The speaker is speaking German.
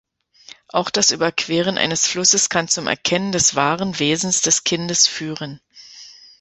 Auch das Überqueren eines Flusses kann zum Erkennen des waren Wesens des Kindes führen.